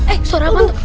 eh suara apaan tuh